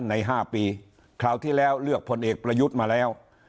ใน๕ปีคราวที่แล้วเลือกพลเอกประยุทธ์มาแล้ว